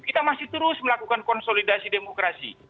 kita masih terus melakukan konsolidasi demokrasi